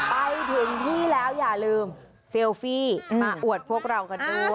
ไปถึงที่แล้วอย่าลืมเซลฟี่มาอวดพวกเรากันด้วย